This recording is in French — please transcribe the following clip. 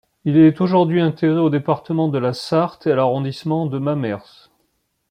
Il est aujourd'hui intégré au département de la Sarthe et à l'arrondissement de Mamers.